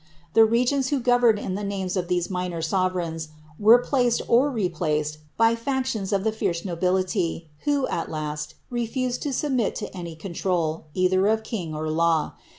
The regents who governed in the names of these minor sovereigns were placed or replaced by factions of the fierce nobihiy, who, at last, refused to submit to any control, either of king or law.